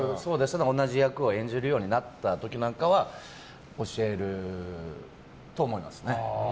同じ役を演じるようになった時なんかは教えると思いますね。